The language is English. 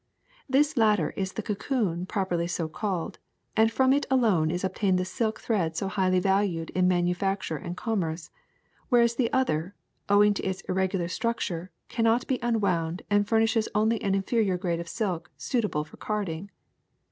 This latter is the cocoon properly so called, and from it alone is obtained the silk thread so highly valued in manufacture and commerce, whereas the other, ow ing to its irregular structure, cannot be unwound and furnishes only an inferior grade of silk suitable for carding.